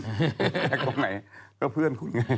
แล้วก็ไหนก็เพื่อนคุณไง